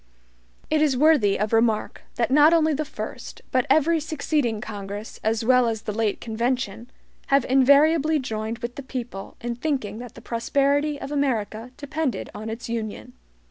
It is worthy of remark that not only the first, but every succeeding Congress, as well as the late convention, have invariably joined with the people in thinking that the prosperity of America depended on its Union.